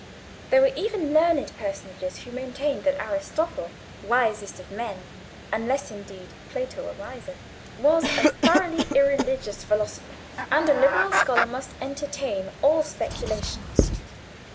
There were even learned personages who maintained that Aristotle, wisest of men (unless, indeed, Plato were wiser?) was a thoroughly irreligious philosopher; and a liberal scholar must entertain all speculations.